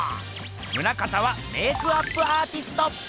棟方はメークアップアーティスト！